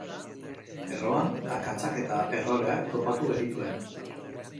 Erroan akatsak eta erroreak topatu genituen.